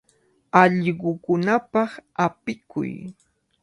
Allqukunapaq apikuy.